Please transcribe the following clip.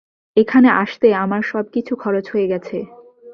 এখানে আসতে আমার সব কিছু খরচ হয়ে গেছে।